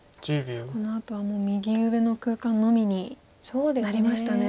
このあとはもう右上の空間のみになりましたね。